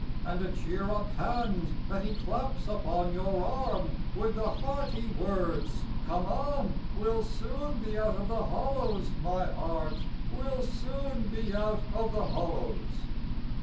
And a cheer up hand that he claps upon Your arm with the hearty words, "Come on! We'll soon be out of the hollows, My heart! We'll soon be out of the hollows!"